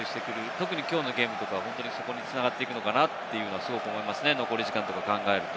特にきょうのゲームはそこに繋がっていくのかなと思いますね、残り時間を考えると。